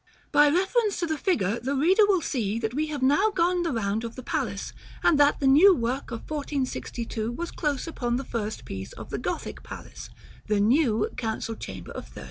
By reference to the figure the reader will see that we have now gone the round of the palace, and that the new work of 1462 was close upon the first piece of the Gothic palace, the new Council Chamber of 1301.